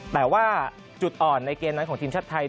แต่ว่าจุดอ่อนในเกมนั้นของทีมชาติไทย